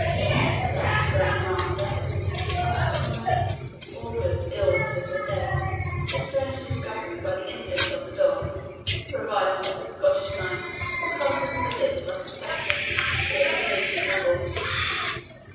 "Alas, Grand Master," answered Conrade, "all augurs ill for this affair, the strange discovery by the instinct of a dog the revival of this Scottish knight, who comes into the lists like a spectre all betokens evil."